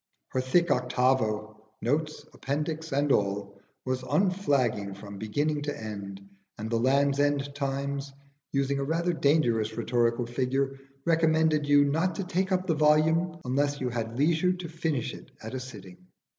Her thick octavo notes, appendix and all was unflagging from beginning to end; and the 'Land's End Times,' using a rather dangerous rhetorical figure, recommended you not to take up the volume unless you had leisure to finish it at a sitting.